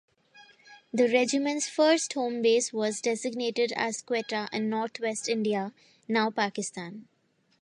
The Regiment's first home base was designated as Quetta in northwest India, now Pakistan.